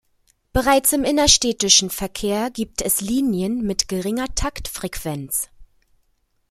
Bereits im innerstädtischen Verkehr gibt es Linien mit geringer Taktfrequenz.